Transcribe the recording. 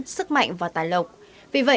sức mạnh và tài lộc vì vậy